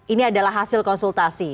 ini adalah hasil konsultasi